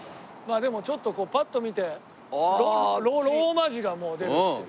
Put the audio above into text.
でもちょっとパッと見てローマ字がもう出るっていう。